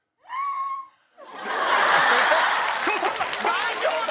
大丈夫